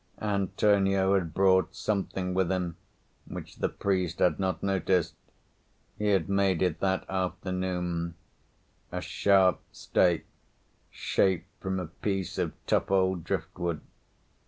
Antonio had brought something with him which the priest had not noticed. He had made it that afternoon a sharp stake shaped from a piece of tough old driftwood.